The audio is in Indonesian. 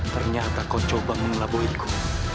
ternyata kau coba melabuhiku